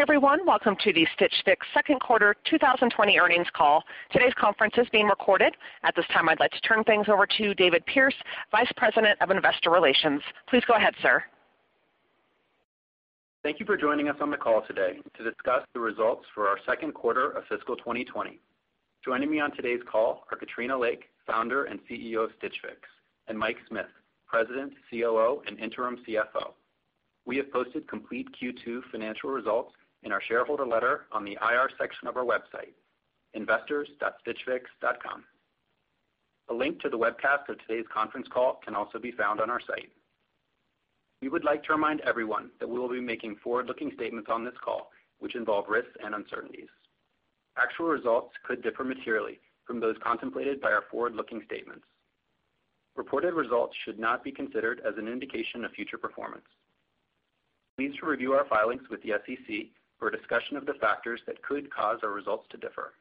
Hey everyone, welcome to the Stitch Fix second quarter 2020 earnings call. Today's conference is being recorded. At this time, I'd like to turn things over to David Pearce, Vice President of Investor Relations. Please go ahead, sir. Thank you for joining us on the call today to discuss the results for our second quarter of fiscal 2020. Joining me on today's call are Katrina Lake, Founder and CEO of Stitch Fix, and Mike Smith, President, COO, and Interim CFO. We have posted complete Q2 financial results in our shareholder letter on the IR section of our website, investors.stitchfix.com. A link to the webcast of today's conference call can also be found on our site. We would like to remind everyone that we will be making forward-looking statements on this call, which involve risks and uncertainties. Actual results could differ materially from those contemplated by our forward-looking statements. Reported results should not be considered as an indication of future performance. Please review our filings with the SEC for discussion of the factors that could cause our results to differ.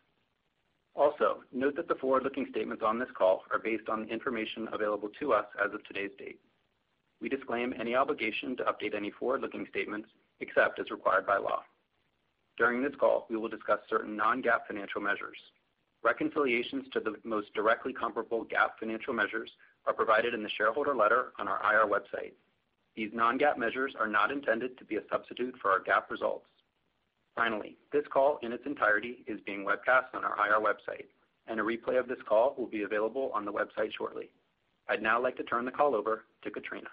Also, note that the forward-looking statements on this call are based on the information available to us as of today's date. We disclaim any obligation to update any forward-looking statements except as required by law. During this call, we will discuss certain non-GAAP financial measures. Reconciliations to the most directly comparable GAAP financial measures are provided in the shareholder letter on our IR website. These non-GAAP measures are not intended to be a substitute for our GAAP results. Finally, this call in its entirety is being webcast on our IR website, and a replay of this call will be available on the website shortly. I'd now like to turn the call over to Katrina.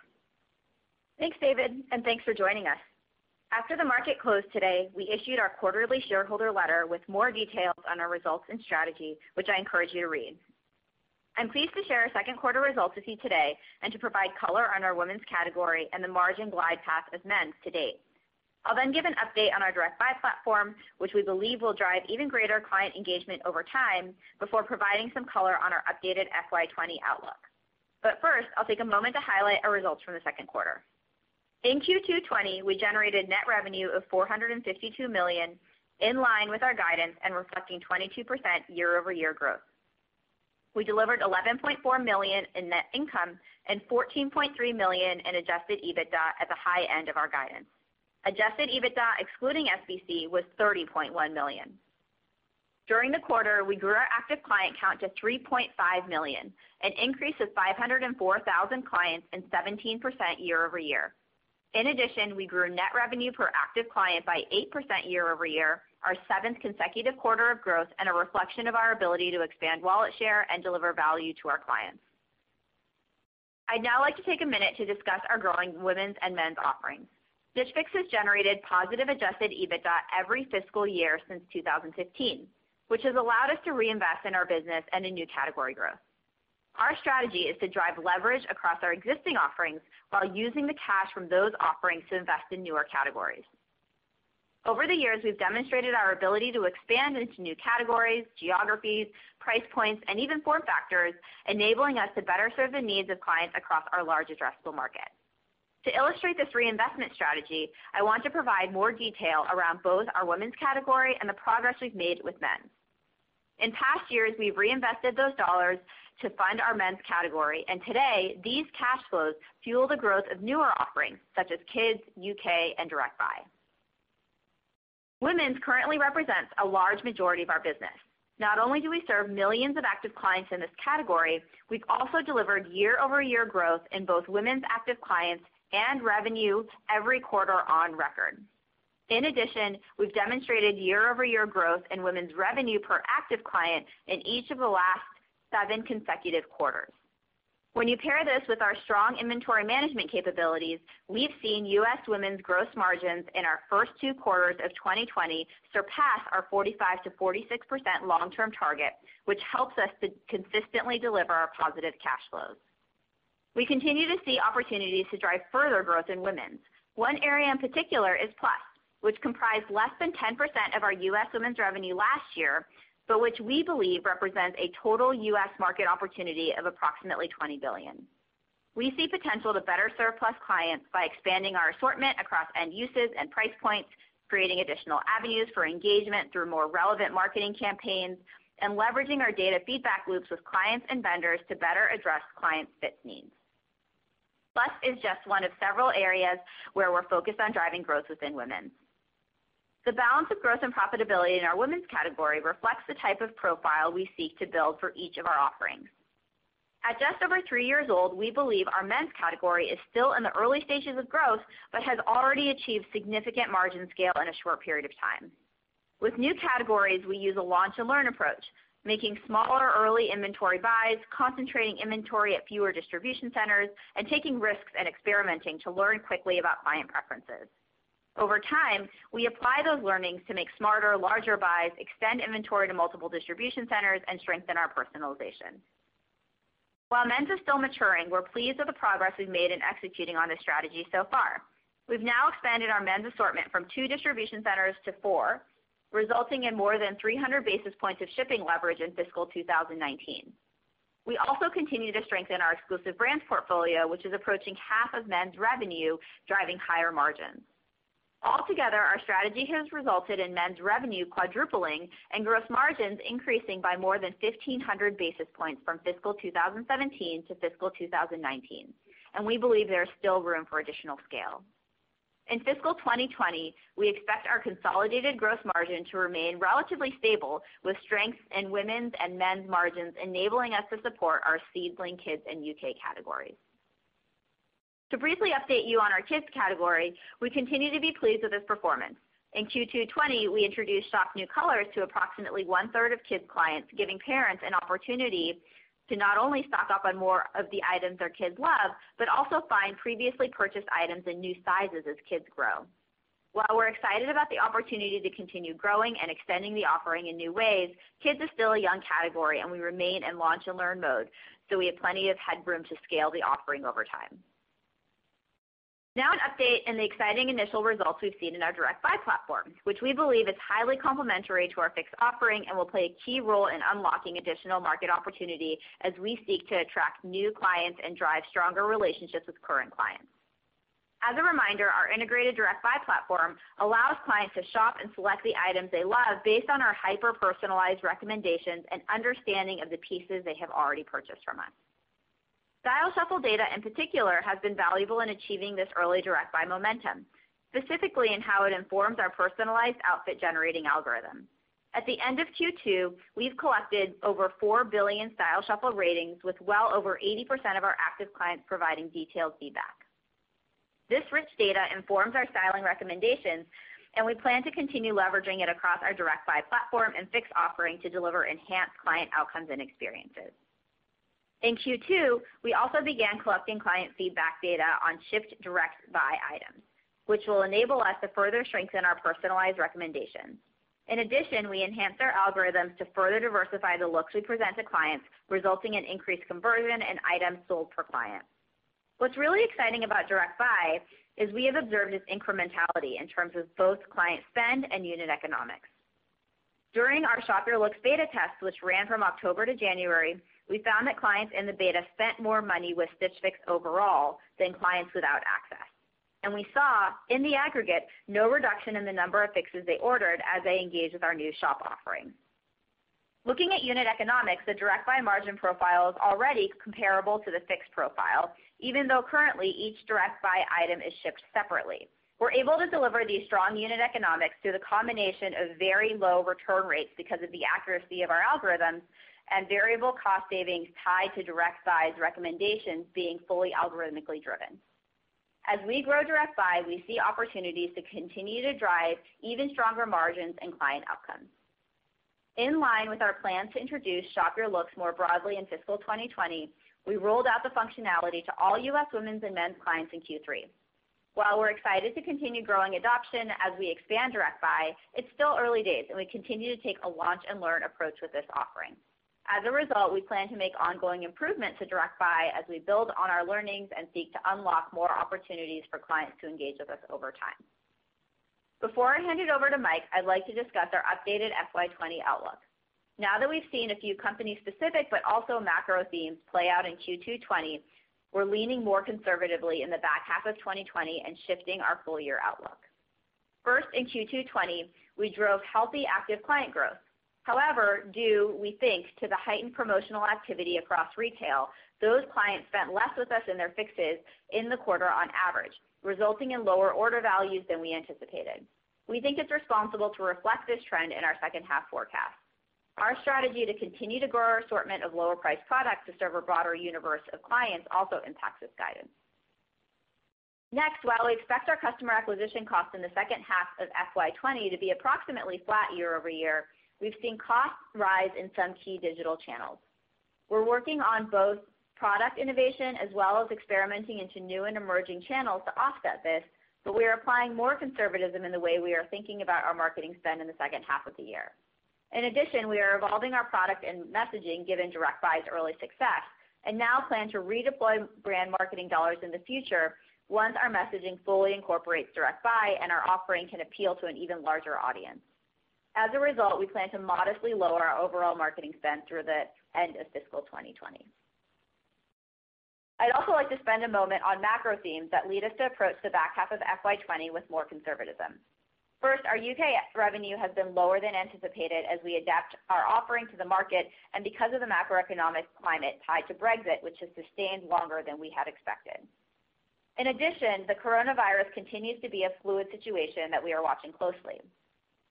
Thanks, David, and thanks for joining us. After the market closed today, we issued our quarterly shareholder letter with more details on our results and strategy, which I encourage you to read. I'm pleased to share our second quarter results with you today and to provide color on our women's category and the margin glide path of men's to date. I'll then give an update on our Direct Buy platform, which we believe will drive even greater client engagement over time, before providing some color on our updated FY2020 outlook. But first, I'll take a moment to highlight our results from the second quarter. In Q2 2020, we generated net revenue of $452 million in line with our guidance and reflecting 22% year-over-year growth. We delivered $11.4 million in net income and $14.3 million in adjusted EBITDA at the high end of our guidance. Adjusted EBITDA, excluding SBC, was $30.1 million. During the quarter, we grew our active client count to 3.5 million, an increase of 504,000 clients and 17% year-over-year. In addition, we grew net revenue per active client by 8% year-over-year, our seventh consecutive quarter of growth, and a reflection of our ability to expand wallet share and deliver value to our clients. I'd now like to take a minute to discuss our growing women's and men's offerings. Stitch Fix has generated positive adjusted EBITDA every fiscal year since 2015, which has allowed us to reinvest in our business and in new category growth. Our strategy is to drive leverage across our existing offerings while using the cash from those offerings to invest in newer categories. Over the years, we've demonstrated our ability to expand into new categories, geographies, price points, and even form factors, enabling us to better serve the needs of clients across our large addressable market. To illustrate this reinvestment strategy, I want to provide more detail around both our Women's category and the progress we've made with Men. In past years, we've reinvested those dollars to fund our Men's category, and today, these cash flows fuel the growth of newer offerings such as Kids, U.K., and Direct Buy. Women's currently represents a large majority of our business. Not only do we serve millions of active clients in this category, we've also delivered year-over-year growth in both Women's active clients and revenue every quarter on record. In addition, we've demonstrated year-over-year growth in Women's revenue per active client in each of the last seven consecutive quarters. When you pair this with our strong inventory management capabilities, we've seen U.S. Women's gross margins in our first two quarters of 2020 surpass our 45%-46% long-term target, which helps us to consistently deliver our positive cash flows. We continue to see opportunities to drive further growth in women's. One area in particular is Plus, which comprised less than 10% of our U.S. women's revenue last year, but which we believe represents a total U.S. market opportunity of approximately $20 billion. We see potential to better serve Plus clients by expanding our assortment across end uses and price points, creating additional avenues for engagement through more relevant marketing campaigns, and leveraging our data feedback loops with clients and vendors to better address client fit needs. Plus is just one of several areas where we're focused on driving growth within Women's. The balance of growth and profitability in our Women's category reflects the type of profile we seek to build for each of our offerings. At just over three years old, we believe our Men's category is still in the early stages of growth but has already achieved significant margin scale in a short period of time. With new categories, we use a launch-and-learn approach, making smaller early inventory buys, concentrating inventory at fewer distribution centers, and taking risks and experimenting to learn quickly about client preferences. Over time, we apply those learnings to make smarter, larger buys, extend inventory to multiple distribution centers, and strengthen our personalization. While Men's is still maturing, we're pleased with the progress we've made in executing on this strategy so far. We've now expanded our Men's assortment from two distribution centers to four, resulting in more than 300 basis points of shipping leverage in fiscal 2019. We also continue to strengthen our exclusive brands portfolio, which is approaching half of Men's revenue, driving higher margins. Altogether, our strategy has resulted in Men's revenue quadrupling and gross margins increasing by more than 1,500 basis points from fiscal 2017 to fiscal 2019, and we believe there is still room for additional scale. In fiscal 2020, we expect our consolidated gross margin to remain relatively stable, with strength in women's and men's margins enabling us to support our seedling Kids and U.K. categories. To briefly update you on our kids category, we continue to be pleased with this performance. In Q2 2020, we introduced Shop New Colors to approximately one-third of Kids clients, giving parents an opportunity to not only stock up on more of the items their kids love but also find previously purchased items in new sizes as kids grow. While we're excited about the opportunity to continue growing and extending the offering in new ways, Kids is still a young category, and we remain in launch-and-learn mode, so we have plenty of headroom to scale the offering over time. Now, an update on the exciting initial results we've seen in our Direct Buy platform, which we believe is highly complementary to our Fix offering and will play a key role in unlocking additional market opportunity as we seek to attract new clients and drive stronger relationships with current clients. As a reminder, our integrated Direct Buy platform allows clients to shop and select the items they love based on our hyper-personalized recommendations and understanding of the pieces they have already purchased from us. Style Shuffle data, in particular, has been valuable in achieving this early Direct Buy momentum, specifically in how it informs our personalized outfit-generating algorithm. At the end of Q2, we've collected over 4 billion Style Shuffle ratings, with well over 80% of our active clients providing detailed feedback. This rich data informs our styling recommendations, and we plan to continue leveraging it across our Direct Buy platform and Fix offering to deliver enhanced client outcomes and experiences. In Q2, we also began collecting client feedback data on shipped Direct Buy items, which will enable us to further strengthen our personalized recommendations. In addition, we enhanced our algorithms to further diversify the looks we present to clients, resulting in increased conversion and items sold per client. What's really exciting about Direct Buy is we have observed its incrementality in terms of both client spend and unit economics. During our Shop Your Looks beta test, which ran from October to January, we found that clients in the beta spent more money with Stitch Fix overall than clients without access, and we saw, in the aggregate, no reduction in the number of Fixes they ordered as they engage with our new shop offering. Looking at unit economics, the Direct Buy margin profile is already comparable to the Fix profile, even though currently each Direct Buy item is shipped separately. We're able to deliver these strong unit economics through the combination of very low return rates because of the accuracy of our algorithms and variable cost savings tied to Direct Buy recommendations being fully algorithmically driven. As we grow Direct Buy, we see opportunities to continue to drive even stronger margins and client outcomes. In line with our plans to introduce Shop Your Looks more broadly in fiscal 2020, we rolled out the functionality to all U.S. Women's and Men's clients in Q3. While we're excited to continue growing adoption as we expand Direct Buy, it's still early days, and we continue to take a launch-and-learn approach with this offering. As a result, we plan to make ongoing improvements to Direct Buy as we build on our learnings and seek to unlock more opportunities for clients to engage with us over time. Before I hand it over to Mike, I'd like to discuss our updated FY2020 outlook. Now that we've seen a few company-specific but also macro themes play out in Q2 2020, we're leaning more conservatively in the back half of 2020 and shifting our full-year outlook. First, in Q2 2020, we drove healthy active client growth. However, due, we think, to the heightened promotional activity across retail, those clients spent less with us in their Fixes in the quarter on average, resulting in lower order values than we anticipated. We think it's responsible to reflect this trend in our second half forecast. Our strategy to continue to grow our assortment of lower-priced products to serve a broader universe of clients also impacts this guidance. Next, while we expect our customer acquisition costs in the second half of FY2020 to be approximately flat year-over-year, we've seen costs rise in some key digital channels. We're working on both product innovation as well as experimenting into new and emerging channels to offset this, but we're applying more conservatism in the way we are thinking about our marketing spend in the second half of the year. In addition, we are evolving our product and messaging given Direct Buy's early success and now plan to redeploy brand marketing dollars in the future once our messaging fully incorporates Direct Buy and our offering can appeal to an even larger audience. As a result, we plan to modestly lower our overall marketing spend through the end of fiscal 2020. I'd also like to spend a moment on macro themes that lead us to approach the back half of FY2020 with more conservatism. First, our U.K. revenue has been lower than anticipated as we adapt our offering to the market and because of the macroeconomic climate tied to Brexit, which has sustained longer than we had expected. In addition, the coronavirus continues to be a fluid situation that we are watching closely.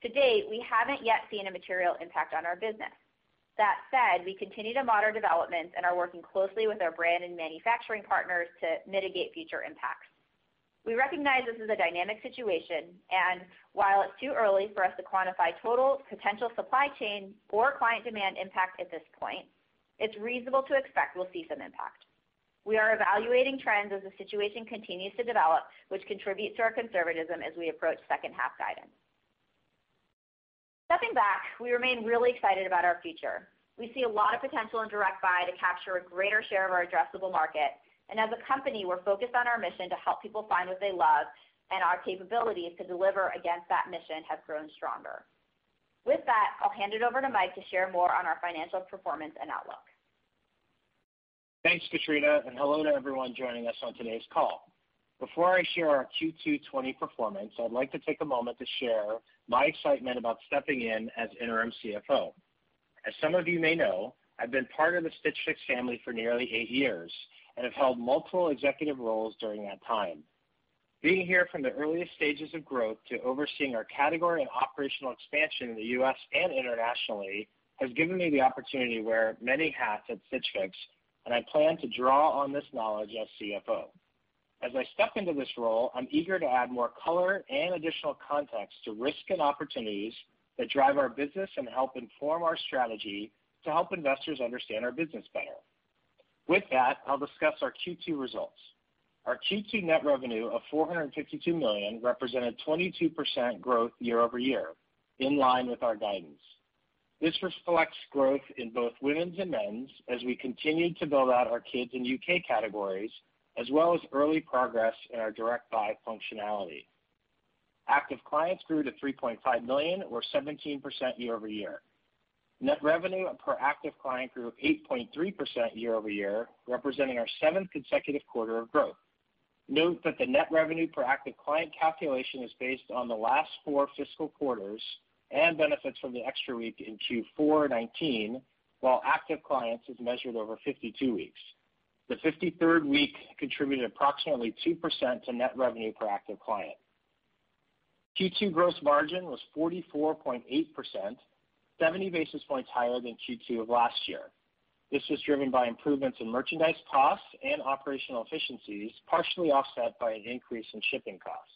To date, we haven't yet seen a material impact on our business. That said, we continue to monitor developments and are working closely with our brand and manufacturing partners to mitigate future impacts. We recognize this is a dynamic situation, and while it's too early for us to quantify total potential supply chain or client demand impact at this point, it's reasonable to expect we'll see some impact. We are evaluating trends as the situation continues to develop, which contributes to our conservatism as we approach second half guidance. Stepping back, we remain really excited about our future. We see a lot of potential in Direct Buy to capture a greater share of our addressable market, and as a company, we're focused on our mission to help people find what they love, and our capabilities to deliver against that mission have grown stronger. With that, I'll hand it over to Mike to share more on our financial performance and outlook. Thanks, Katrina, and hello to everyone joining us on today's call. Before I share our Q2 2020 performance, I'd like to take a moment to share my excitement about stepping in as Interim CFO. As some of you may know, I've been part of the Stitch Fix family for nearly eight years and have held multiple executive roles during that time. Being here from the earliest stages of growth to overseeing our category and operational expansion in the U.S. and internationally has given me the opportunity to wear many hats at Stitch Fix, and I plan to draw on this knowledge as CFO. As I step into this role, I'm eager to add more color and additional context to risk and opportunities that drive our business and help inform our strategy to help investors understand our business better. With that, I'll discuss our Q2 results. Our Q2 net revenue of $452 million represented 22% growth year-over-year, in line with our guidance. This reflects growth in both women's and men's as we continue to build out our kids and U.K. categories, as well as early progress in our Direct Buy functionality. Active clients grew to $3.5 million, or 17% year-over-year. Net revenue per active client grew 8.3% year-over-year, representing our seventh consecutive quarter of growth. Note that the net revenue per active client calculation is based on the last four fiscal quarters and benefits from the extra week in Q4 2019, while active clients is measured over 52 weeks. The 53rd week contributed approximately 2% to net revenue per active client. Q2 gross margin was 44.8%, 70 basis points higher than Q2 of last year. This was driven by improvements in merchandise costs and operational efficiencies, partially offset by an increase in shipping costs.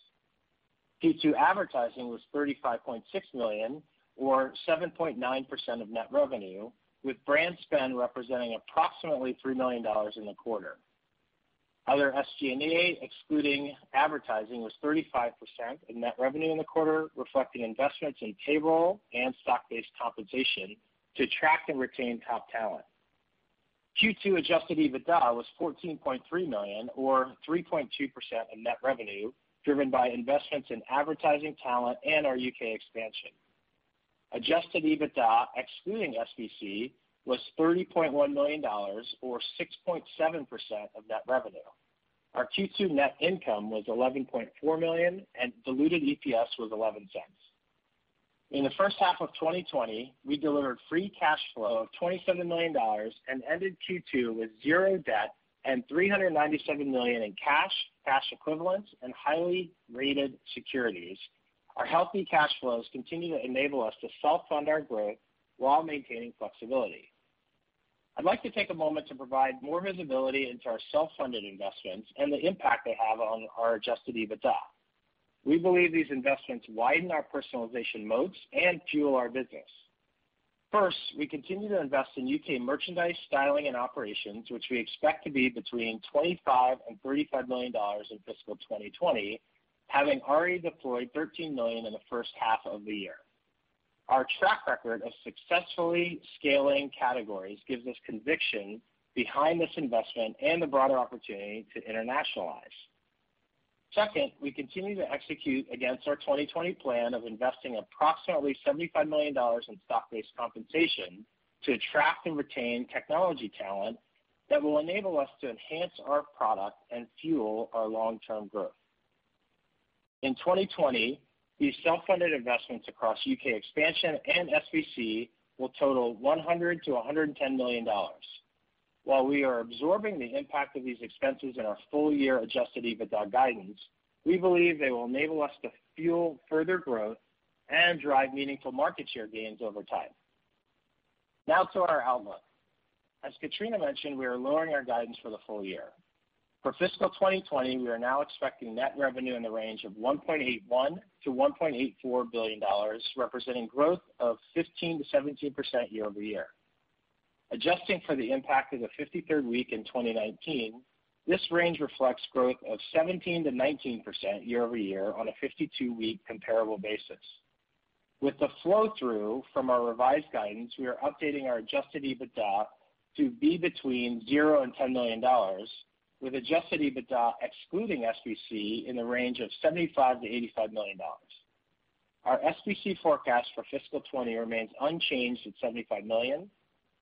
Q2 advertising was $35.6 million, or 7.9% of net revenue, with brand spend representing approximately $3 million in the quarter. Other SG&A excluding advertising was 35% of net revenue in the quarter, reflecting investments in payroll and stock-based compensation to attract and retain top talent. Q2 adjusted EBITDA was $14.3 million, or 3.2% of net revenue, driven by investments in advertising talent and our U.K. expansion. Adjusted EBITDA, excluding SBC, was $30.1 million, or 6.7% of net revenue. Our Q2 net income was $11.4 million, and diluted EPS was $0.11. In the first half of 2020, we delivered free cash flow of $27 million and ended Q2 with zero debt and $397 million in cash, cash equivalents, and highly rated securities. Our healthy cash flows continue to enable us to self-fund our growth while maintaining flexibility. I'd like to take a moment to provide more visibility into our self-funded investments and the impact they have on our adjusted EBITDA. We believe these investments widen our personalization moats and fuel our business. First, we continue to invest in U.K. merchandise, styling, and operations, which we expect to be between $25 and $35 million in fiscal 2020, having already deployed $13 million in the first half of the year. Our track record of successfully scaling categories gives us conviction behind this investment and the broader opportunity to internationalize. Second, we continue to execute against our 2020 plan of investing approximately $75 million in stock-based compensation to attract and retain technology talent that will enable us to enhance our product and fuel our long-term growth. In 2020, these self-funded investments across U.K. expansion and SBC will total $100-$110 million. While we are absorbing the impact of these expenses in our full-year adjusted EBITDA guidance, we believe they will enable us to fuel further growth and drive meaningful market share gains over time. Now to our outlook. As Katrina mentioned, we are lowering our guidance for the full year. For fiscal 2020, we are now expecting net revenue in the range of $1.81-$1.84 billion, representing growth of 15%-17% year-over-year. Adjusting for the impact of the 53rd week in 2019, this range reflects growth of 17%-19% year-over-year on a 52-week comparable basis. With the flow-through from our revised guidance, we are updating our adjusted EBITDA to be between $0 and $10 million, with adjusted EBITDA excluding SBC in the range of $75-$85 million. Our SBC forecast for fiscal 2020 remains unchanged at $75 million.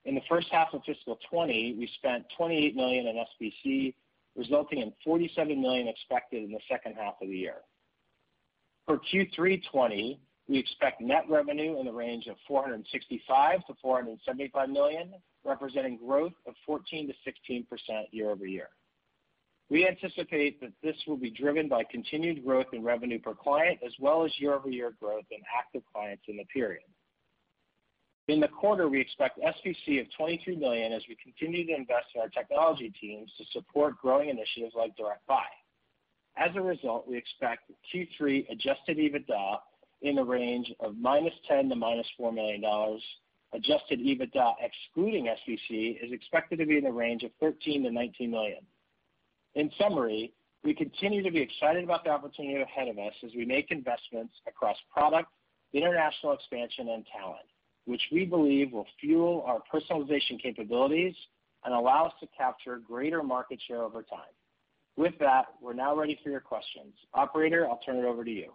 In the first half of fiscal 2020, we spent $28 million in SBC, resulting in $47 million expected in the second half of the year. For Q3 2020, we expect net revenue in the range of $465-$475 million, representing growth of 14%-16% year-over-year. We anticipate that this will be driven by continued growth in revenue per client, as well as year-over-year growth in active clients in the period. In the quarter, we expect SBC of $22 million as we continue to invest in our technology teams to support growing initiatives like Direct Buy. As a result, we expect Q3 adjusted EBITDA in the range of -$10 million to -$4 million. Adjusted EBITDA excluding SBC is expected to be in the range of $13-$19 million. In summary, we continue to be excited about the opportunity ahead of us as we make investments across product, international expansion, and talent, which we believe will fuel our personalization capabilities and allow us to capture a greater market share over time. With that, we're now ready for your questions. Operator, I'll turn it over to you.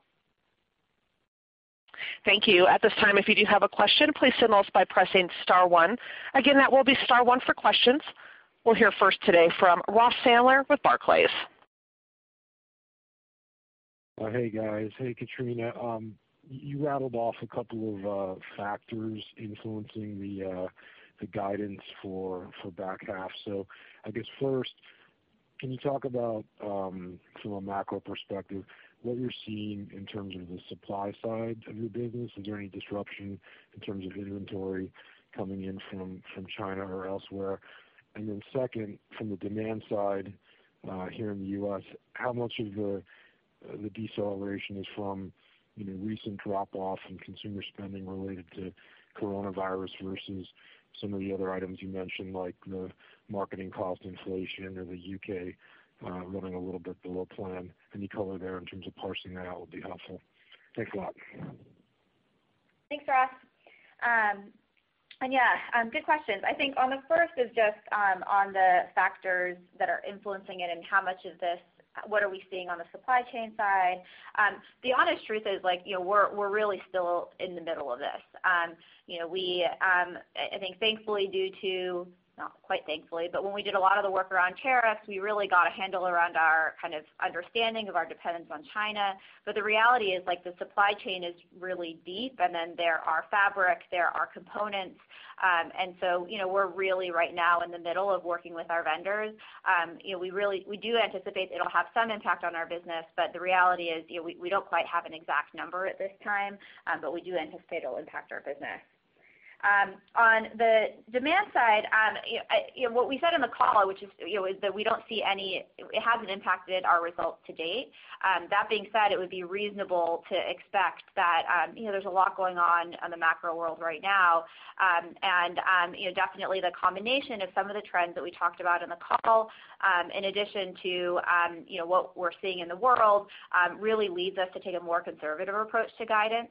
Thank you. At this time, if you do have a question, please send those by pressing star one. Again, that will be star one for questions. We'll hear first today from Ross Sandler with Barclays. Hey, guys. Hey, Katrina. You rattled off a couple of factors influencing the guidance for back half. So I guess first, can you talk about, from a macro perspective, what you're seeing in terms of the supply side of your business? Is there any disruption in terms of inventory coming in from China or elsewhere? And then second, from the demand side here in the U.S., how much of the deceleration is from recent drop-off in consumer spending related to coronavirus versus some of the other items you mentioned, like the marketing cost inflation or the U.K. running a little bit below plan? Any color there in terms of parsing that out would be helpful. Thanks a lot. Thanks, Ross. And yeah, good questions. I think on the first is just on the factors that are influencing it and how much of this, what are we seeing on the supply chain side? The honest truth is we're really still in the middle of this. I think, thankfully, due to, not quite thankfully, but when we did a lot of the work around tariffs, we really got a handle around our kind of understanding of our dependence on China. But the reality is the supply chain is really deep, and then there are fabrics, there are components. And so we're really right now in the middle of working with our vendors. We do anticipate it'll have some impact on our business, but the reality is we don't quite have an exact number at this time, but we do anticipate it'll impact our business. On the demand side, what we said in the call, which is that we don't see any. It hasn't impacted our results to date. That being said, it would be reasonable to expect that there's a lot going on in the macro world right now, and definitely, the combination of some of the trends that we talked about in the call, in addition to what we're seeing in the world, really leads us to take a more conservative approach to guidance,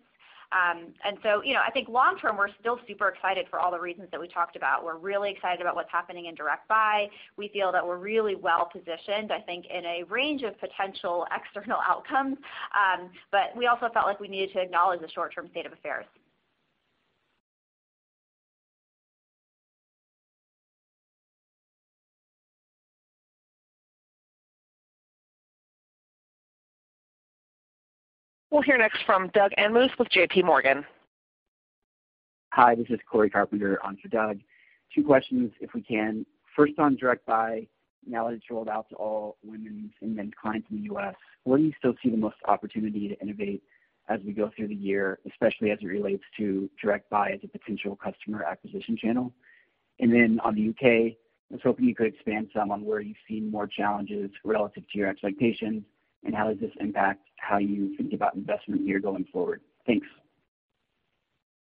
and so I think long-term, we're still super excited for all the reasons that we talked about. We're really excited about what's happening in Direct Buy. We feel that we're really well positioned, I think, in a range of potential external outcomes, but we also felt like we needed to acknowledge the short-term state of affairs. We'll hear next from Doug Anmuth with JPMorgan. Hi, this is Cory Carpenter on for Doug. Two questions, if we can. First, on Direct Buy, now that it's rolled out to all Women's and Men's clients in the U.S., where do you still see the most opportunity to innovate as we go through the year, especially as it relates to Direct Buy as a potential customer acquisition channel? And then on the U.K., I was hoping you could expand some on where you've seen more challenges relative to your expectations and how does this impact how you think about investment here going forward. Thanks.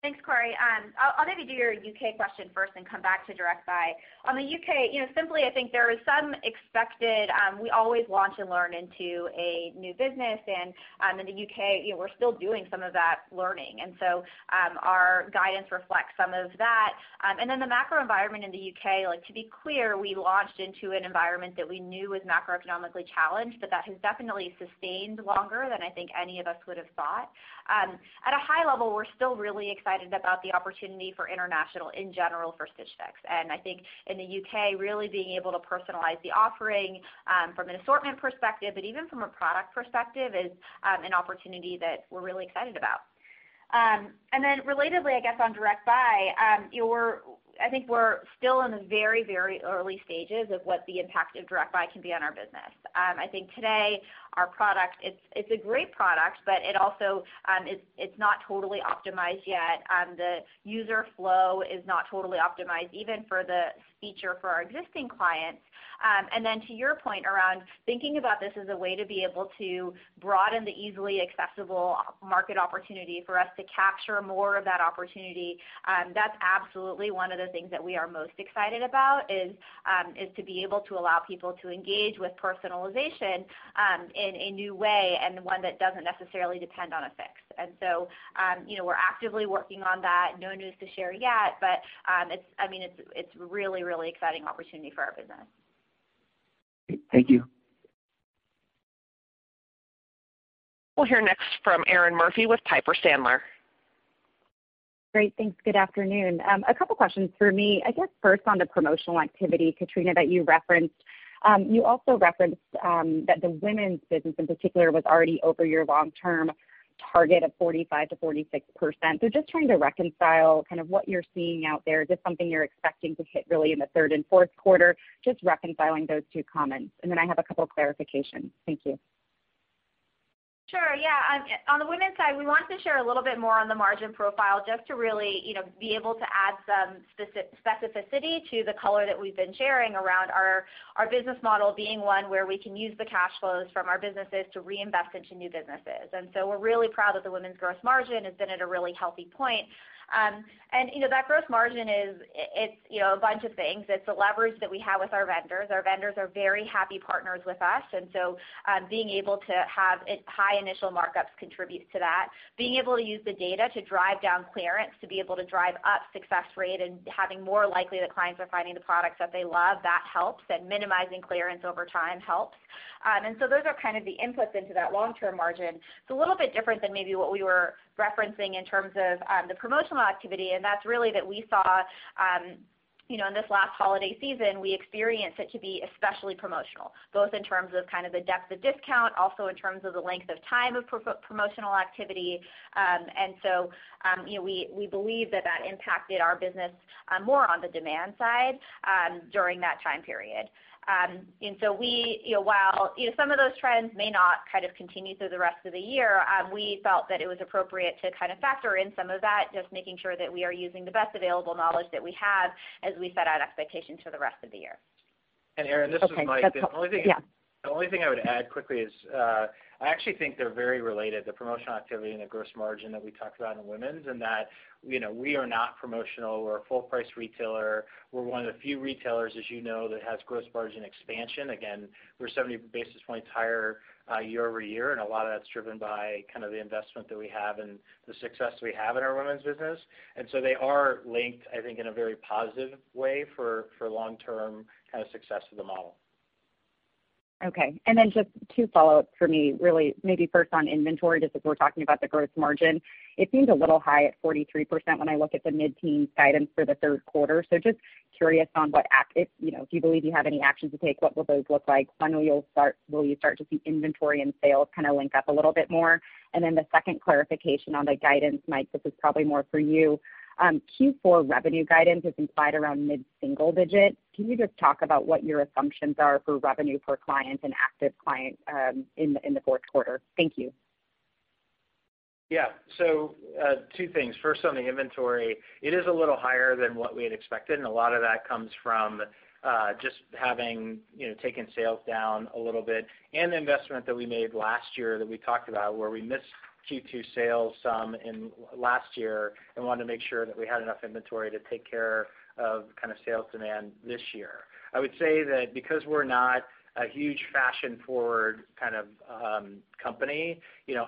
Thanks, Corey. I'll maybe do your U.K. question first and come back to Direct Buy. On the U.K., simply, I think there is some expected, we always launch and learn into a new business, and in the U.K., we're still doing some of that learning. And so our guidance reflects some of that. And then the macro environment in the U.K., to be clear, we launched into an environment that we knew was macroeconomically challenged, but that has definitely sustained longer than I think any of us would have thought. At a high level, we're still really excited about the opportunity for international in general for Stitch Fix. And I think in the U.K., really being able to personalize the offering from an assortment perspective, but even from a product perspective, is an opportunity that we're really excited about. And then relatedly, I guess on Direct Buy, I think we're still in the very, very early stages of what the impact of Direct Buy can be on our business. I think today, our product, it's a great product, but it's not totally optimized yet. The user flow is not totally optimized, even for the feature for our existing clients. And then to your point around thinking about this as a way to be able to broaden the easily accessible market opportunity for us to capture more of that opportunity, that's absolutely one of the things that we are most excited about, is to be able to allow people to engage with personalization in a new way and one that doesn't necessarily depend on a Fix. And so we're actively working on that. No news to share yet, but I mean, it's a really, really exciting opportunity for our business. Thank you. We'll hear next from Erinn Murphy with Piper Sandler. Great. Thanks. Good afternoon. A couple of questions for me. I guess first on the promotional activity, Katrina, that you referenced, you also referenced that the Women's business in particular was already over your long-term target of 45%-46%. So just trying to reconcile kind of what you're seeing out there, just something you're expecting to hit really in the third and fourth quarter, just reconciling those two comments. And then I have a couple of clarifications. Thank you. Sure. Yeah. On the Women's side, we wanted to share a little bit more on the margin profile just to really be able to add some specificity to the color that we've been sharing around our business model being one where we can use the cash flows from our businesses to reinvest into new businesses. And so we're really proud that the Women's gross margin has been at a really healthy point. And that gross margin, it's a bunch of things. It's the leverage that we have with our vendors. Our vendors are very happy partners with us. And so being able to have high initial markups contributes to that. Being able to use the data to drive down clearance, to be able to drive up success rate and having more likely that clients are finding the products that they love, that helps. And minimizing clearance over time helps. Those are kind of the inputs into that long-term margin. It's a little bit different than maybe what we were referencing in terms of the promotional activity. That's really that we saw in this last holiday season. We experienced it to be especially promotional, both in terms of kind of the depth of discount, also in terms of the length of time of promotional activity. We believe that that impacted our business more on the demand side during that time period. While some of those trends may not kind of continue through the rest of the year, we felt that it was appropriate to kind of factor in some of that, just making sure that we are using the best available knowledge that we have as we set out expectations for the rest of the year. Erinn, this is Mike. The only thing I would add quickly is I actually think they're very related, the promotional activity and the gross margin that we talked about in Women's, and that we are not promotional. We're a full-price retailer. We're one of the few retailers, as you know, that has gross margin expansion. Again, we're 70 basis points higher year-over-year, and a lot of that's driven by kind of the investment that we have and the success we have in our Women's business. And so they are linked, I think, in a very positive way for long-term kind of success of the model. Okay. And then just two follow-ups for me, really. Maybe first on inventory, just as we're talking about the gross margin. It seemed a little high at 43% when I look at the mid-teens guidance for the third quarter. So just curious on what if you believe you have any actions to take, what will those look like? When will you start to see inventory and sales kind of link up a little bit more? And then the second clarification on the guidance, Mike, this is probably more for you. Q4 revenue guidance is implied around mid-single digits. Can you just talk about what your assumptions are for revenue per client and active client in the fourth quarter? Thank you. Yeah. So two things. First, on the inventory, it is a little higher than what we had expected. And a lot of that comes from just having taken sales down a little bit and the investment that we made last year that we talked about, where we missed Q2 sales some last year and wanted to make sure that we had enough inventory to take care of kind of sales demand this year. I would say that because we're not a huge fashion-forward kind of company,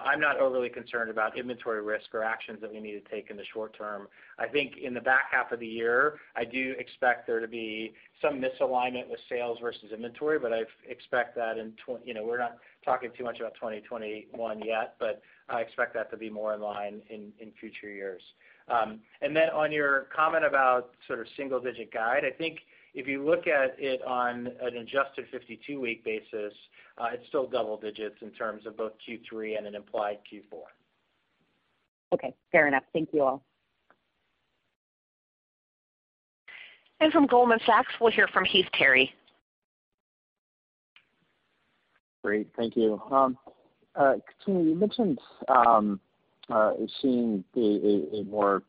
I'm not overly concerned about inventory risk or actions that we need to take in the short term. I think in the back half of the year, I do expect there to be some misalignment with sales versus inventory, but I expect that. We're not talking too much about 2021 yet, but I expect that to be more in line in future years. And then on your comment about sort of single-digit guide, I think if you look at it on an adjusted 52-week basis, it's still double digits in terms of both Q3 and an implied Q4. Okay. Fair enough. Thank you all. From Goldman Sachs, we'll hear from Heath Terry. Great. Thank you. Katrina, you mentioned seeing a more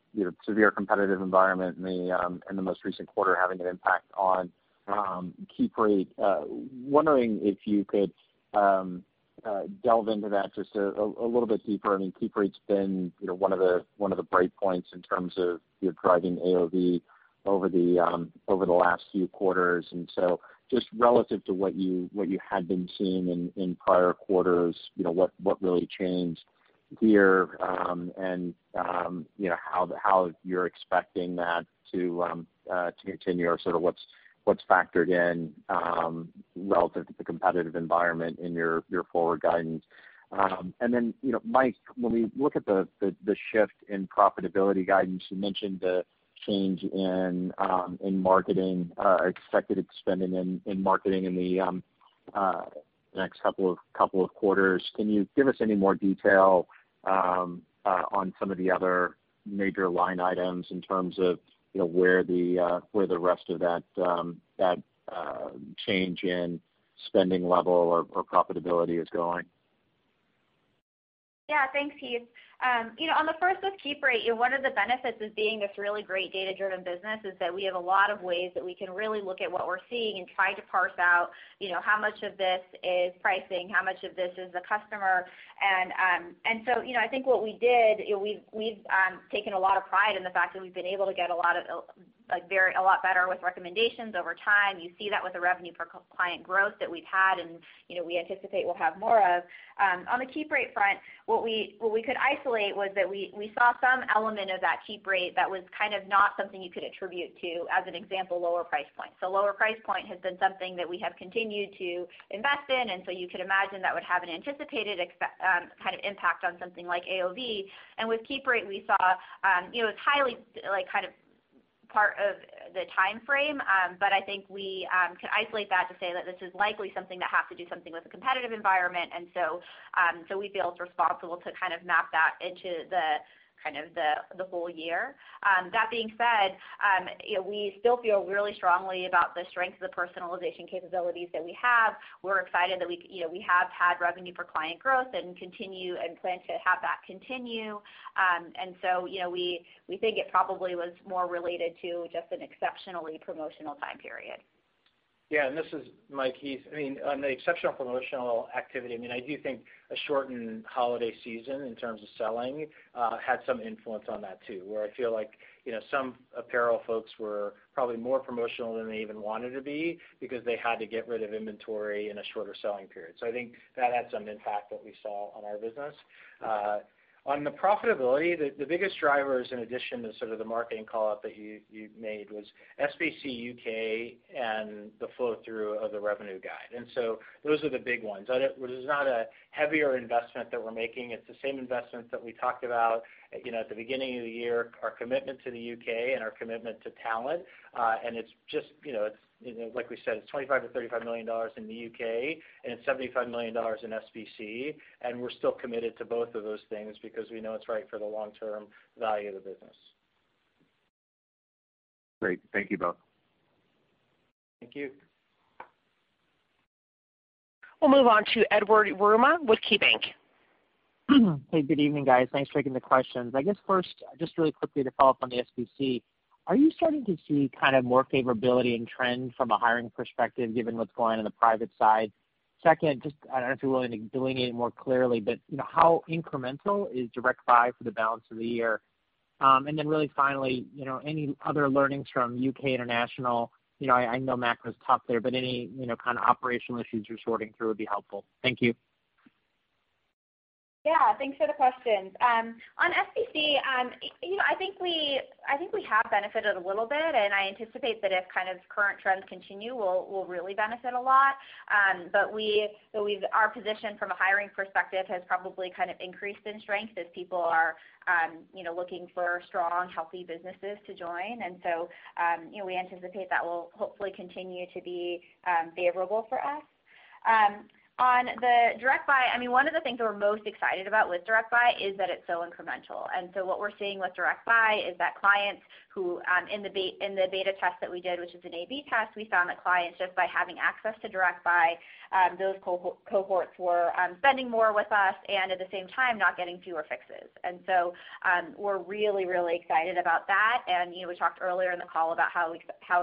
severe competitive environment in the most recent quarter having an impact on keep rate. Wondering if you could delve into that just a little bit deeper? I mean, keep rate's been one of the breakpoints in terms of driving AOV over the last few quarters. And so just relative to what you had been seeing in prior quarters, what really changed here and how you're expecting that to continue or sort of what's factored in relative to the competitive environment in your forward guidance. And then, Mike, when we look at the shift in profitability guidance, you mentioned the change in marketing, expected spending in marketing in the next couple of quarters. Can you give us any more detail on some of the other major line items in terms of where the rest of that change in spending level or profitability is going? Yeah. Thanks, Heath. On the keep rate, one of the benefits of being this really great data-driven business is that we have a lot of ways that we can really look at what we're seeing and try to parse out how much of this is pricing, how much of this is the customer. And so I think what we did, we've taken a lot of pride in the fact that we've been able to get a lot better with recommendations over time. You see that with the revenue per client growth that we've had, and we anticipate we'll have more of. On the keep rate front, what we could isolate was that we saw some element of that keep rate that was kind of not something you could attribute to, as an example, lower price point. Lower price point has been something that we have continued to invest in. You could imagine that would have an anticipated kind of impact on something like AOV. With keep rate, we saw it's highly kind of part of the time frame, but I think we could isolate that to say that this is likely something that has to do something with the competitive environment. We feel it's responsible to kind of map that into the kind of the whole year. That being said, we still feel really strongly about the strength of the personalization capabilities that we have. We're excited that we have had revenue for client growth and continue and plan to have that continue. We think it probably was more related to just an exceptionally promotional time period. Yeah. And this is Mike Smith. I mean, on the exceptional promotional activity, I mean, I do think a shortened holiday season in terms of selling had some influence on that too, where I feel like some apparel folks were probably more promotional than they even wanted to be because they had to get rid of inventory in a shorter selling period. So I think that had some impact that we saw on our business. On the profitability, the biggest drivers, in addition to sort of the marketing call-out that you made, was SBC U.K. and the flow-through of the revenue guide. And so those are the big ones. It was not a heavier investment that we're making. It's the same investment that we talked about at the beginning of the year, our commitment to the U.K. and our commitment to talent. And it's just, like we said, it's $25-$35 million in the U.K. and $75 million in SBC. And we're still committed to both of those things because we know it's right for the long-term value of the business. Great. Thank you both. Thank you. We'll move on to Edward Yruma with KeyBanc. Hey, good evening, guys. Thanks for taking the questions. I guess first, just really quickly to follow up on the SBC. Are you starting to see kind of more favorability and trend from a hiring perspective given what's going on in the private side? Second, just I don't know if you're willing to delineate more clearly, but how incremental is Direct Buy for the balance of the year? And then really finally, any other learnings from U.K. international? I know macro was tough there, but any kind of operational issues you're sorting through would be helpful. Thank you. Yeah. Thanks for the questions. On SBC, I think we have benefited a little bit. And I anticipate that if kind of current trends continue, we'll really benefit a lot. But our position from a hiring perspective has probably kind of increased in strength as people are looking for strong, healthy businesses to join. And so we anticipate that will hopefully continue to be favorable for us. On the Direct Buy, I mean, one of the things that we're most excited about with Direct Buy is that it's so incremental. And so what we're seeing with Direct Buy is that clients who in the beta test that we did, which is an A/B test, we found that clients, just by having access to Direct Buy, those cohorts were spending more with us and at the same time not getting fewer fixes. And so we're really, really excited about that. We talked earlier in the call about how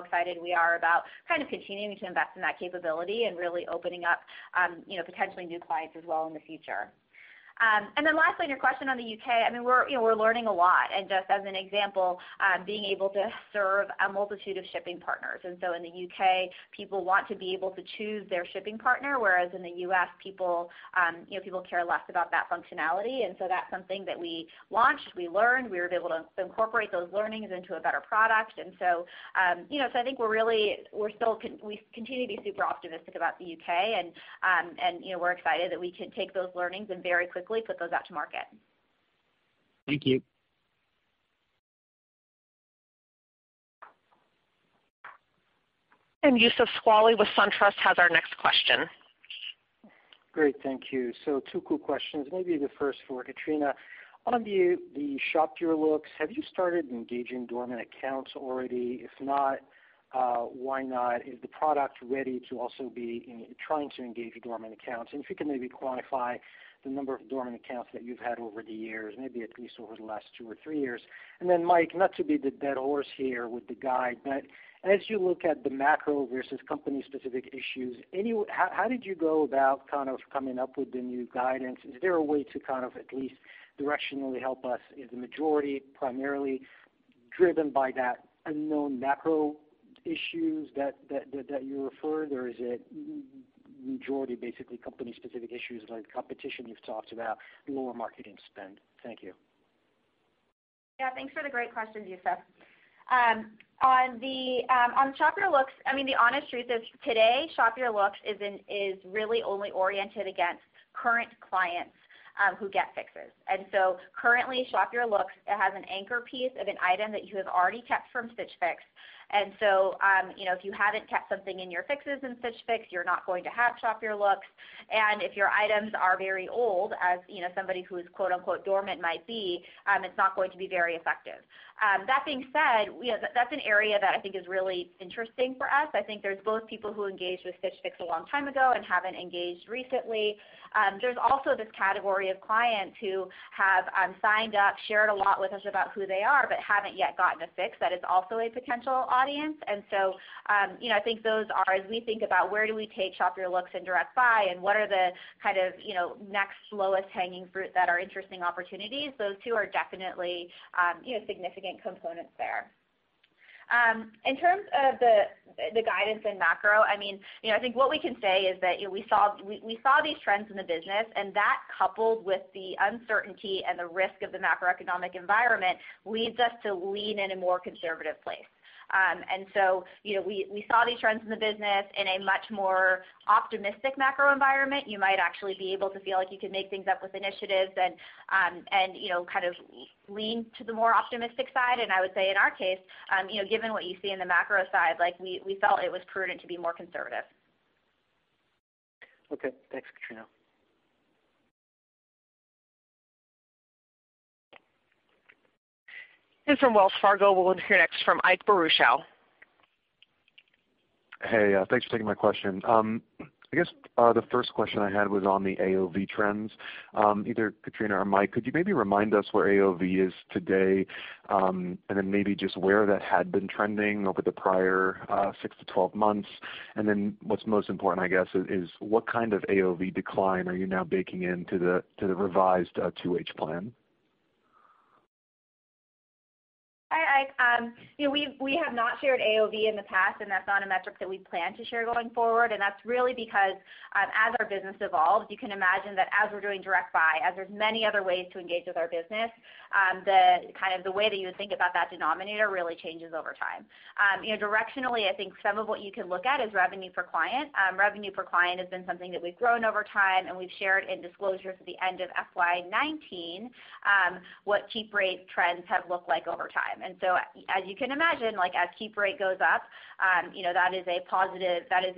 excited we are about kind of continuing to invest in that capability and really opening up potentially new clients as well in the future. Then lastly, in your question on the U.K., I mean, we're learning a lot. Just as an example, being able to serve a multitude of shipping partners. So in the U.K., people want to be able to choose their shipping partner, whereas in the U.S., people care less about that functionality. That's something that we launched, we learned, we were able to incorporate those learnings into a better product. I think we're really. We continue to be super optimistic about the U.K. We're excited that we can take those learnings and very quickly put those out to market. Thank you. And Youssef Squali with Truist has our next question. Great. Thank you. So two quick questions. Maybe the first for Katrina. On the Shop Your Looks, have you started engaging dormant accounts already? If not, why not? Is the product ready to also be trying to engage dormant accounts? And if you can maybe quantify the number of dormant accounts that you've had over the years, maybe at least over the last two or three years. And then Mike, not to beat a dead horse here with the guidance, but as you look at the macro versus company-specific issues, how did you go about kind of coming up with the new guidance? Is there a way to kind of at least directionally help us? Is the majority primarily driven by those unknown macro issues that you referred to, or is it majority basically company-specific issues like competition you've talked about, lower marketing spend? Thank you. Yeah. Thanks for the great questions, Youssef. On Shop Your Looks, I mean, the honest truth is today, Shop Your Looks is really only oriented against current clients who get fixes. And so currently, Shop Your Looks, it has an anchor piece of an item that you have already kept from Stitch Fix. And so if you haven't kept something in your Fixes in Stitch Fix, you're not going to have Shop Your Looks. And if your items are very old, as somebody who is "dormant" might be, it's not going to be very effective. That being said, that's an area that I think is really interesting for us. I think there's both people who engaged with Stitch Fix a long time ago and haven't engaged recently. There's also this category of clients who have signed up, shared a lot with us about who they are, but haven't yet gotten a Fix. That is also a potential audience, and so I think those are, as we think about where do we take Shop Your Looks and Direct Buy, and what are the kind of next lowest hanging fruit that are interesting opportunities, those two are definitely significant components there. In terms of the guidance and macro, I mean, I think what we can say is that we saw these trends in the business, and that coupled with the uncertainty and the risk of the macroeconomic environment leads us to lean in a more conservative place, and so we saw these trends in the business in a much more optimistic macro environment. You might actually be able to feel like you can make things up with initiatives and kind of lean to the more optimistic side. And I would say in our case, given what you see in the macro side, we felt it was prudent to be more conservative. Okay. Thanks, Katrina. From Wells Fargo, we'll interject from Ike Boruchow. Hey, thanks for taking my question. I guess the first question I had was on the AOV trends. Either Katrina or Mike, could you maybe remind us where AOV is today and then maybe just where that had been trending over the prior six to 12 months? And then what's most important, I guess, is what kind of AOV decline are you now baking into the revised 2H plan? Hi, Ike. We have not shared AOV in the past, and that's not a metric that we plan to share going forward. That's really because as our business evolves, you can imagine that as we're doing Direct Buy, as there's many other ways to engage with our business, kind of the way that you would think about that denominator really changes over time. Directionally, I think some of what you can look at is revenue per client. Revenue per client has been something that we've grown over time, and we've shared in disclosures at the end of FY2019 what keep rate trends have looked like over time. So as you can imagine, as keep rate goes up, that is a positive that is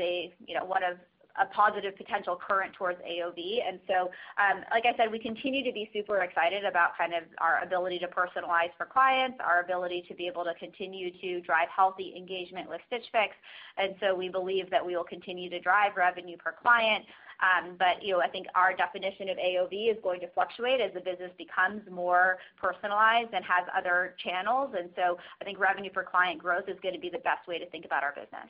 one of a positive potential current towards AOV. And so like I said, we continue to be super excited about kind of our ability to personalize for clients, our ability to be able to continue to drive healthy engagement with Stitch Fix. And so we believe that we will continue to drive revenue per client. But I think our definition of AOV is going to fluctuate as the business becomes more personalized and has other channels. And so I think revenue per client growth is going to be the best way to think about our business.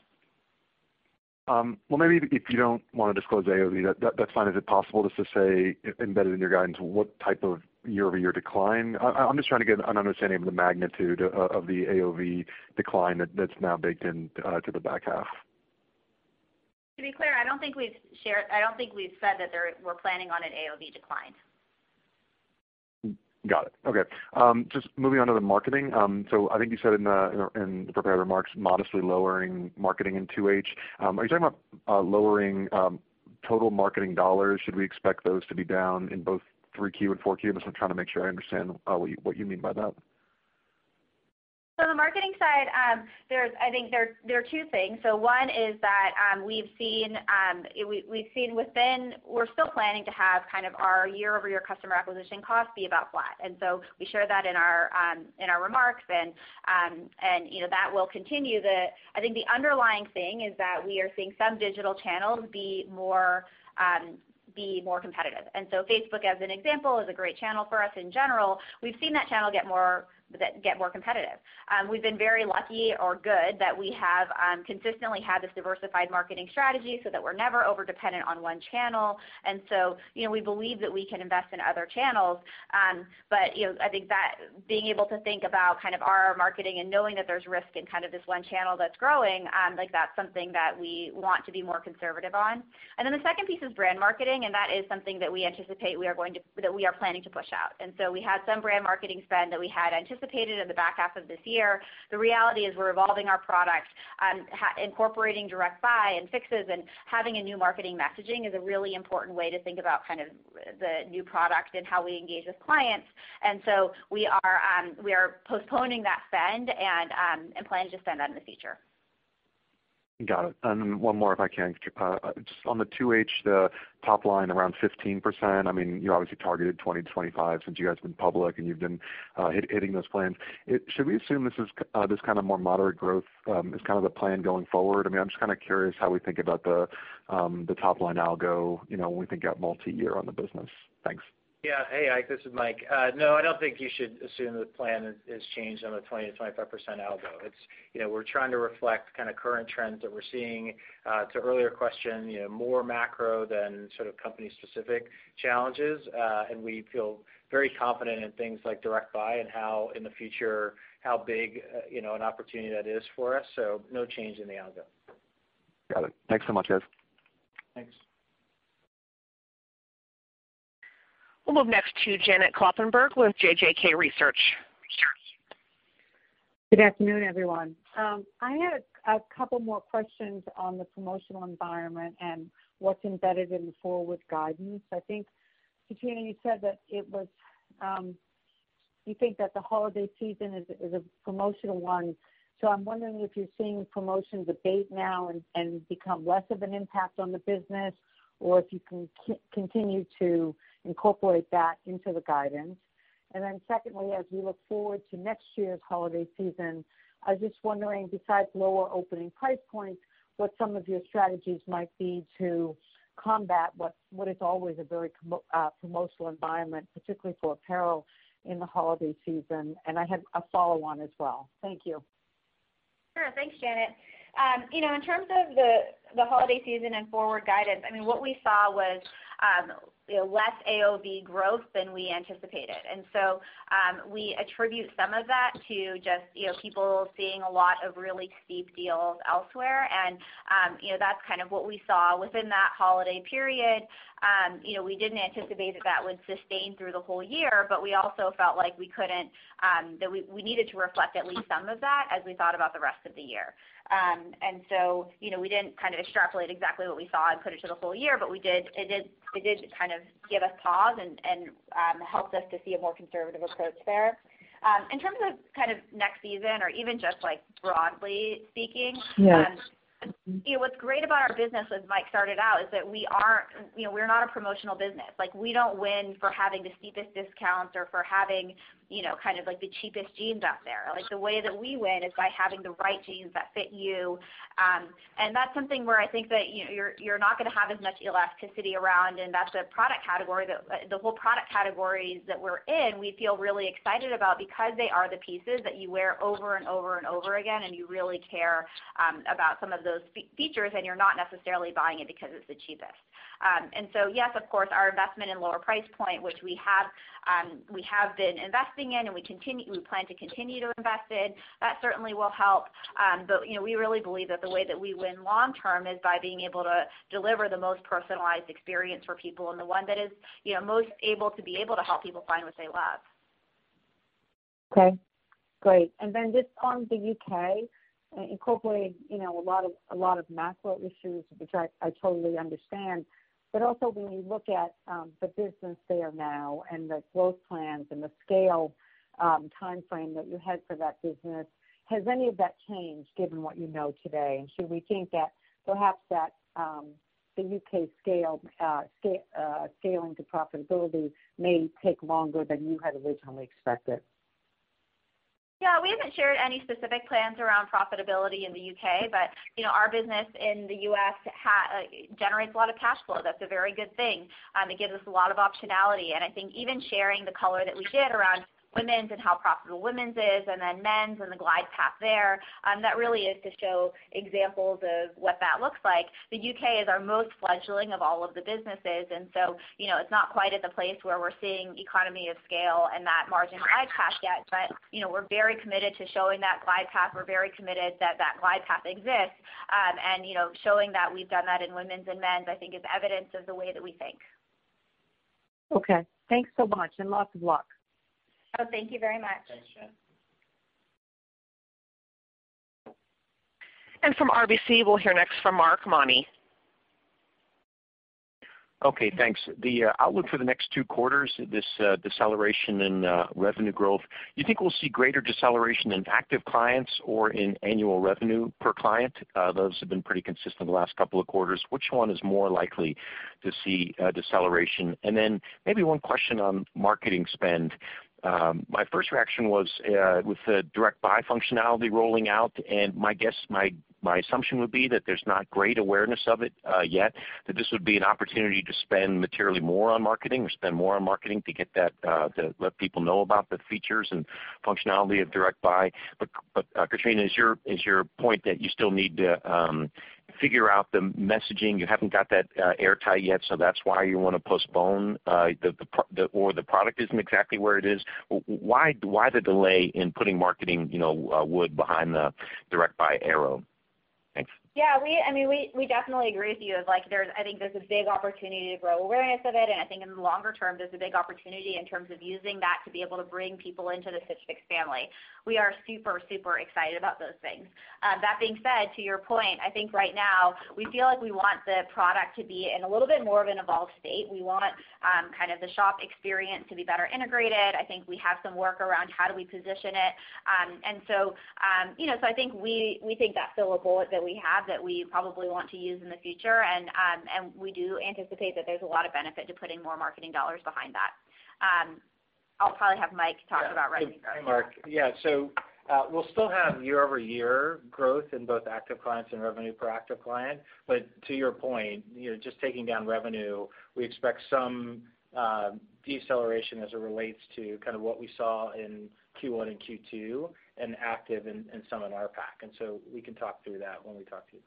Maybe if you don't want to disclose AOV, that's fine. Is it possible just to say embedded in your guidance what type of year-over-year decline? I'm just trying to get an understanding of the magnitude of the AOV decline that's now baked into the back half. To be clear, I don't think we've said that we're planning on an AOV decline. Got it. Okay. Just moving on to the marketing. So I think you said in the prepared remarks, modestly lowering marketing in 2H. Are you talking about lowering total marketing dollars? Should we expect those to be down in both 3Q and 4Q? I'm just trying to make sure I understand what you mean by that. So the marketing side, I think there are two things. So one is that we've seen, and we're still planning to have kind of our year-over-year customer acquisition cost be about flat. And so we share that in our remarks, and that will continue. I think the underlying thing is that we are seeing some digital channels be more competitive. And so Facebook, as an example, is a great channel for us in general. We've seen that channel get more competitive. We've been very lucky or good that we have consistently had this diversified marketing strategy so that we're never over-dependent on one channel. And so we believe that we can invest in other channels. But I think that being able to think about kind of our marketing and knowing that there's risk in kind of this one channel that's growing, that's something that we want to be more conservative on. And then the second piece is brand marketing, and that is something that we anticipate we are going to that we are planning to push out. And so we had some brand marketing spend that we had anticipated in the back half of this year. The reality is we're evolving our product, incorporating Direct Buy and Fixes, and having a new marketing messaging is a really important way to think about kind of the new product and how we engage with clients. And so we are postponing that spend and planning to spend that in the future. Got it. And one more, if I can. Just on the 2H, the top line around 15%, I mean, you obviously targeted 20 to 25 since you guys have been public and you've been hitting those plans. Should we assume this is kind of more moderate growth is kind of the plan going forward? I mean, I'm just kind of curious how we think about the top line algo when we think about multi-year on the business. Thanks. Yeah. Hey, Ike. This is Mike. No, I don't think you should assume the plan has changed on the 20%-25% algo. We're trying to reflect kind of current trends that we're seeing. To earlier question, more macro than sort of company-specific challenges. And we feel very confident in things like Direct Buy and how in the future, how big an opportunity that is for us. So no change in the algo. Got it. Thanks so much, guys. Thanks. We'll move next to Janet Kloppenburg with JJK Research. Good afternoon, everyone. I had a couple more questions on the promotional environment and what's embedded in the forward guidance. I think, Katrina, you said that it was, you think, that the holiday season is a promotional one. So I'm wondering if you're seeing promotions abate now and become less of an impact on the business, or if you can continue to incorporate that into the guidance. And then secondly, as we look forward to next year's holiday season, I was just wondering, besides lower opening price points, what some of your strategies might be to combat what is always a very promotional environment, particularly for apparel in the holiday season. And I have a follow-on as well. Thank you. Sure. Thanks, Janet. In terms of the holiday season and forward guidance, I mean, what we saw was less AOV growth than we anticipated. And so we attribute some of that to just people seeing a lot of really steep deals elsewhere. And that's kind of what we saw within that holiday period. We didn't anticipate that that would sustain through the whole year, but we also felt like we couldn't, that we needed to reflect at least some of that as we thought about the rest of the year. And so we didn't kind of extrapolate exactly what we saw and put it to the whole year, but it did kind of give us pause and helped us to see a more conservative approach there. In terms of kind of next season or even just broadly speaking, what's great about our business, as Mike started out, is that we're not a promotional business. We don't win for having the steepest discounts or for having kind of the cheapest jeans out there. The way that we win is by having the right jeans that fit you, and that's something where I think that you're not going to have as much elasticity around, and that's a product category that the whole product categories that we're in, we feel really excited about because they are the pieces that you wear over and over and over again, and you really care about some of those features, and you're not necessarily buying it because it's the cheapest. And so, yes, of course, our investment in lower price point, which we have been investing in and we plan to continue to invest in, that certainly will help. But we really believe that the way that we win long-term is by being able to deliver the most personalized experience for people and the one that is most able to be able to help people find what they love. Okay. Great. And then just on the U.K., incorporating a lot of macro issues, which I totally understand. But also when you look at the business there now and the growth plans and the scale timeframe that you had for that business, has any of that changed given what you know today? And should we think that perhaps that the U.K. scaling to profitability may take longer than you had originally expected? Yeah. We haven't shared any specific plans around profitability in the U.K., but our business in the U.S. generates a lot of cash flow. That's a very good thing. It gives us a lot of optionality, and I think even sharing the color that we did around Women's and how profitable Women's is, and then Men's and the glide path there, that really is to show examples of what that looks like. The U.K. is our most fledgling of all of the businesses, and so it's not quite at the place where we're seeing economy of scale and that margin glide path yet. But we're very committed to showing that glide path. We're very committed that that glide path exists, and showing that we've done that in Women's and Men's, I think, is evidence of the way that we think. Okay. Thanks so much and lots of luck. Oh, thank you very much. Thanks, Janet. From RBC, we'll hear next from Mark Mahaney. Okay. Thanks. The outlook for the next two quarters, this deceleration in revenue growth, do you think we'll see greater deceleration in active clients or in annual revenue per client? Those have been pretty consistent the last couple of quarters. Which one is more likely to see a deceleration? And then maybe one question on marketing spend. My first reaction was with the Direct Buy functionality rolling out, and my guess, my assumption would be that there's not great awareness of it yet, that this would be an opportunity to spend materially more on marketing or spend more on marketing to get that to let people know about the features and functionality of Direct Buy. But Katrina, is your point that you still need to figure out the messaging? You haven't got that airtight yet, so that's why you want to postpone or the product isn't exactly where it is. Why the delay in putting marketing wood behind the Direct Buy arrow? Thanks. Yeah. I mean, we definitely agree with you. I think there's a big opportunity to grow awareness of it. And I think in the longer term, there's a big opportunity in terms of using that to be able to bring people into the Stitch Fix family. We are super, super excited about those things. That being said, to your point, I think right now we feel like we want the product to be in a little bit more of an evolved state. We want kind of the shop experience to be better integrated. I think we have some work around how do we position it. And so I think we think that's still a bullet that we have that we probably want to use in the future. And we do anticipate that there's a lot of benefit to putting more marketing dollars behind that. I'll probably have Mike talk about revenue growth. Hey, Mike. Yeah. So we'll still have year-over-year growth in both active clients and revenue per active client. But to your point, just taking down revenue, we expect some deceleration as it relates to kind of what we saw in Q1 and Q2 and activity in some of our CACs. And so we can talk through that when we talk to you.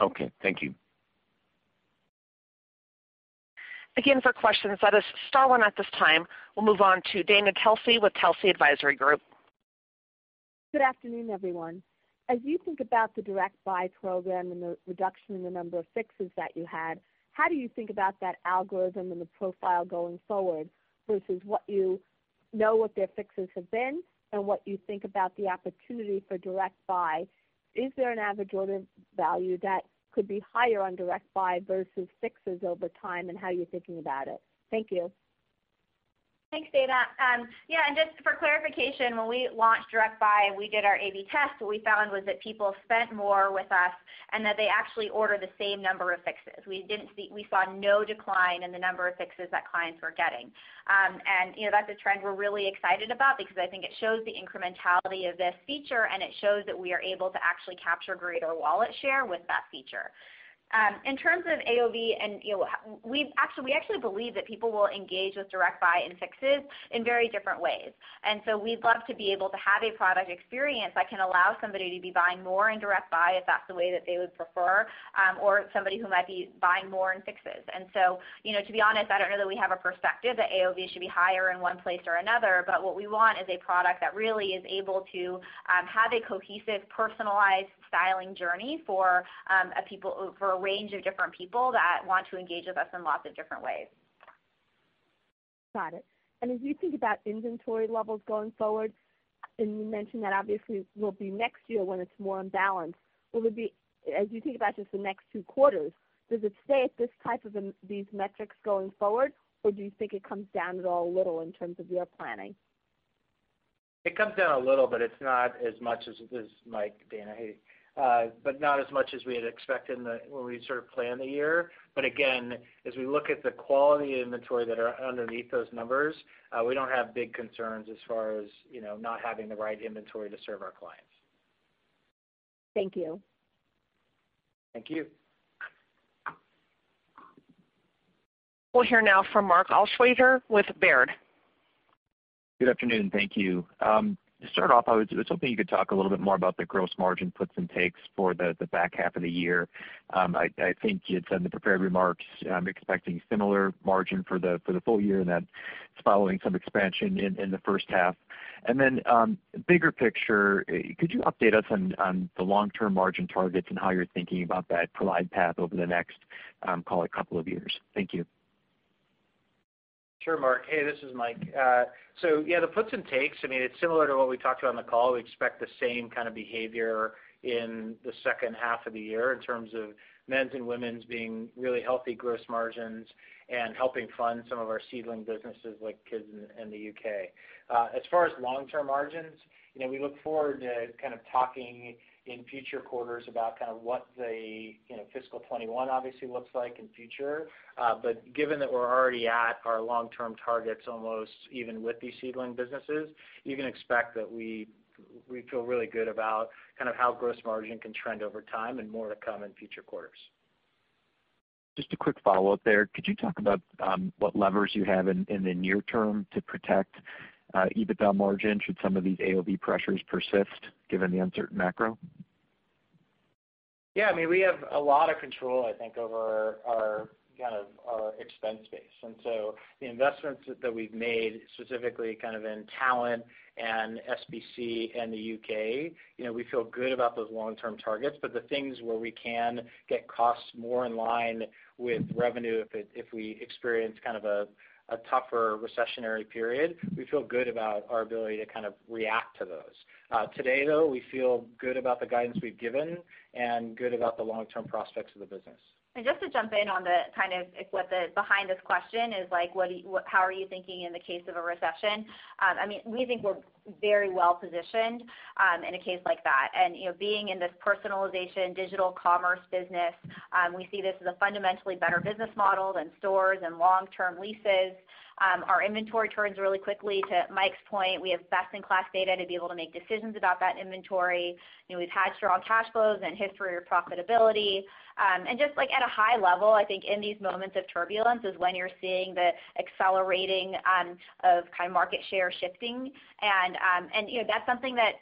Okay. Thank you. Again, for questions, press star one. At this time, we'll move on to Dana Telsey with Telsey Advisory Group. Good afternoon, everyone. As you think about the Direct Buy program and the reduction in the number of Fixes that you had, how do you think about that algorithm and the profile going forward versus what you know their Fixes have been and what you think about the opportunity for Direct Buy? Is there an average order value that could be higher on Direct Buy versus Fixes over time and how you're thinking about it? Thank you. Thanks, Dana. Yeah. And just for clarification, when we launched Direct Buy, we did our A/B test. What we found was that people spent more with us and that they actually ordered the same number of Fixes. We saw no decline in the number of Fixes that clients were getting. And that's a trend we're really excited about because I think it shows the incrementality of this feature, and it shows that we are able to actually capture greater wallet share with that feature. In terms of AOV, we actually believe that people will engage with Direct Buy and Fixes in very different ways. And so we'd love to be able to have a product experience that can allow somebody to be buying more in Direct Buy if that's the way that they would prefer, or somebody who might be buying more in Fixes. So to be honest, I don't know that we have a perspective that AOV should be higher in one place or another, but what we want is a product that really is able to have a cohesive personalized styling journey for a range of different people that want to engage with us in lots of different ways. Got it, and as you think about inventory levels going forward, and you mentioned that obviously will be next year when it's more in balance, will it be, as you think about just the next two quarters, does it stay at this type of these metrics going forward, or do you think it comes down at all a little in terms of your planning? It comes down a little, but it's not as much as, this is Mike, Dana, but not as much as we had expected when we sort of planned the year. But again, as we look at the quality inventory that are underneath those numbers, we don't have big concerns as far as not having the right inventory to serve our clients. Thank you. Thank you. We'll hear now from Mark Altschwager with Baird. Good afternoon. Thank you. To start off, I was hoping you could talk a little bit more about the gross margin puts and takes for the back half of the year. I think you had said in the prepared remarks expecting similar margin for the full year and that it's following some expansion in the first half. And then bigger picture, could you update us on the long-term margin targets and how you're thinking about that glide path over the next, call it, couple of years? Thank you. Sure, Mark. Hey, this is Mike. Yeah, the puts and takes, I mean, it's similar to what we talked about on the call. We expect the same kind of behavior in the second half of the year in terms of Men's and Women's being really healthy gross margins and helping fund some of our seedling businesses like Kids in the U.K. As far as long-term margins, we look forward to kind of talking in future quarters about kind of what the fiscal 2021 obviously looks like in future. Given that we're already at our long-term targets almost even with these seedling businesses, you can expect that we feel really good about kind of how gross margin can trend over time and more to come in future quarters. Just a quick follow-up there. Could you talk about what levers you have in the near term to protect EBITDA margin should some of these AOV pressures persist given the uncertain macro? Yeah. I mean, we have a lot of control, I think, over kind of our expense base. And so the investments that we've made specifically kind of in talent and SBC and the U.K., we feel good about those long-term targets. But the things where we can get costs more in line with revenue if we experience kind of a tougher recessionary period, we feel good about our ability to kind of react to those. Today, though, we feel good about the guidance we've given and good about the long-term prospects of the business. And just to jump in on the kind of what the behind this question is like, how are you thinking in the case of a recession? I mean, we think we're very well positioned in a case like that. And being in this personalization digital commerce business, we see this as a fundamentally better business model than stores and long-term leases. Our inventory turns really quickly to Mike's point. We have best-in-class data to be able to make decisions about that inventory. We've had strong cash flows and history of profitability. And just at a high level, I think in these moments of turbulence is when you're seeing the accelerating of kind of market share shifting. And that's something that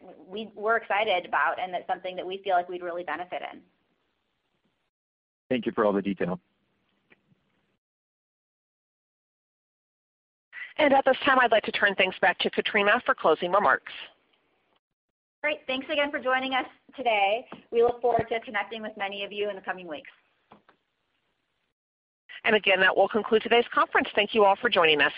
we're excited about and that's something that we feel like we'd really benefit in. Thank you for all the detail. At this time, I'd like to turn things back to Katrina for closing remarks. Great. Thanks again for joining us today. We look forward to connecting with many of you in the coming weeks. Again, that will conclude today's conference. Thank you all for joining us.